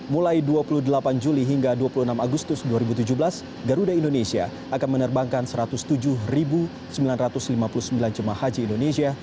mulai dua puluh delapan juli hingga dua puluh enam agustus dua ribu tujuh belas garuda indonesia akan menerbangkan satu ratus tujuh sembilan ratus lima puluh sembilan jemaah haji indonesia